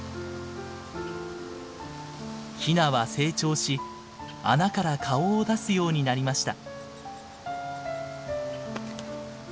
ヒナは成長し穴から顔を出すようになりました。